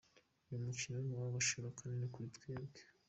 Uyu mukino ni uw’agaciro kanini kuri twebwe”.